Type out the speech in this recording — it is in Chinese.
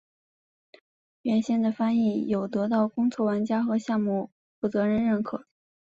原先的翻译有得到公测玩家和项目负责人认可。